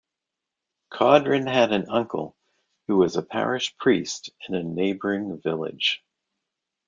Coudrin had an uncle, who was a parish priest in a neighboring village.